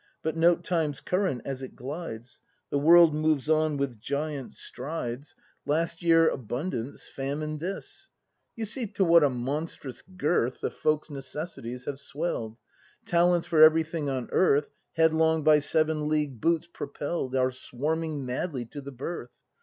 But note Time's current as it glides; — The world moves on with giant strides. 174 BRAND [act iv Last year abundance, famine this; You see to what a monstrous girth The folks' necessities have swell'd, Talents for everything on earth, Headlong by seven league boots propell'd. Are swarming madly to the birth.